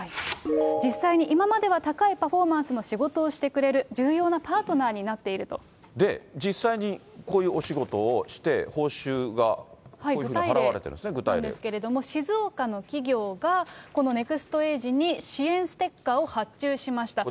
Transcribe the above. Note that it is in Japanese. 実際に今では高いパフォーマンスの仕事をしてくれる重要なパで、実際にこういうお仕事をして、報酬がこういうふうに払われてるん具体例なんですけれども、静岡の企業が、このネクストエージに支援ステッカーを発注しました。